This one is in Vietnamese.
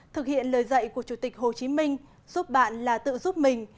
thực hiện lời dạy của chủ tịch hồ chí minh giúp bạn là tự giúp mình